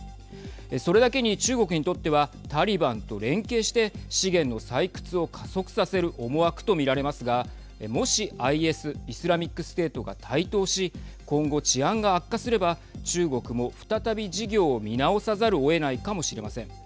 それだけに中国にとってはタリバンと連携して資源の採掘を加速させる思惑と見られますがもしＩＳ＝イスラミックステートが台頭し今後、治安が悪化すれば中国も再び事業を見直さざるをえないかもしれません。